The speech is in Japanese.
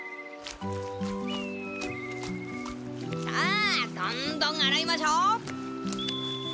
さあどんどん洗いましょう。